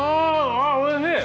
ああおいしい！